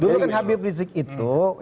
dulu kan habib rizik itu